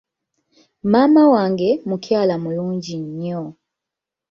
Maama wange mukyala mulungi nnyo.